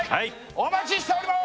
お待ちしております！